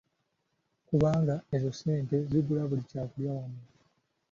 Kubanga ezo sente zigula buli kyakulya wano.